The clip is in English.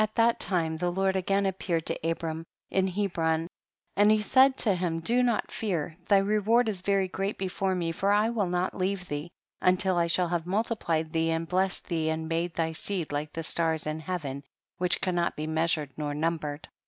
At that lime the Lord again appeared to Abram in Hebron, and he said to him, do not fear, thy re ward is very great before me, for I will not leave thee, nntill shall have multiplied thee, and blessed thee and made thy seed like the stars in heaven, which cannot be measured nor numbered.